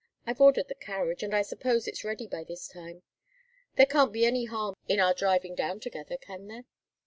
I've ordered the carriage, and I suppose it's ready by this time. There can't be any harm in our driving down together, can there?"